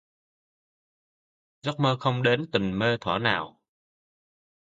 Giấc mơ không đến tình mê thuở nào